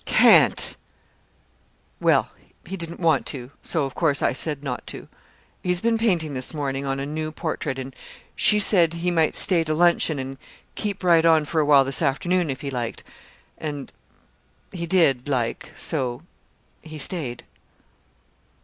"Can't!" "Well, he didn't want to so of course I said not to. He's been painting this morning on a new portrait, and she said he might stay to luncheon and keep right on for a while this afternoon, if he liked. And he did like, so he stayed."